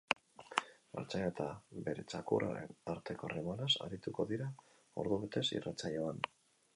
Artzaina eta bere txakurraren arteko harremanaz arituko dira ordubetez irratsaioan.